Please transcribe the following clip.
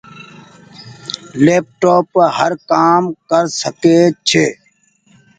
ليپ ٽوپ هر ڪآ م ڪر ڪسي ڇي۔